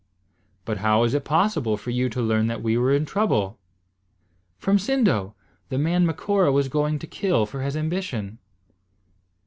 "But how was it possible for you to learn that we were in trouble?" "From Sindo, the man Macora was going to kill for his ambition."